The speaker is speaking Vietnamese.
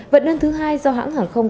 vận đơn thứ hai do hãng hàng không